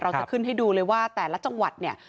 จะขึ้นให้ดูเลยว่าแต่ละจังหวัดเนี่ย